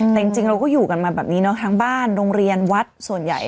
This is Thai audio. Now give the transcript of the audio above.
แต่จริงเราก็อยู่กันมาแบบนี้เนาะทั้งบ้านโรงเรียนวัดส่วนใหญ่